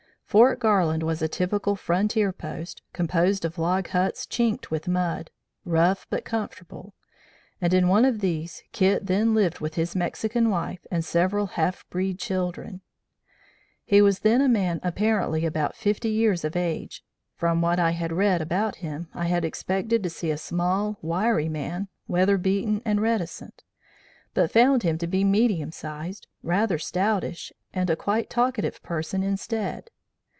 Fort Garland was a typical frontier post, composed of log huts chinked with mud, rough but comfortable, and in one of these Kit then lived with his Mexican wife and several half breed children. "He was then a man apparently about fifty years of age. From what I had read about him, I had expected to see a small, wiry man, weather beaten and reticent; but found him to be a medium sized, rather stoutish, and quite talkative person instead.